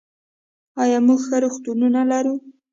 آیا موږ ښه روغتونونه لرو؟